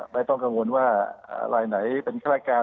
ไม่ต้องกังวลว่าลายไหนเป็นฆาตการ